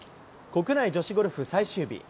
国内女子ゴルフ最終日。